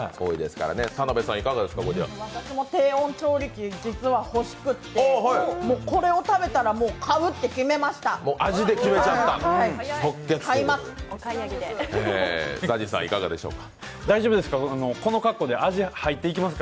私も低温調理器、実は欲しくてこれを食べたら買うって決めました、買います。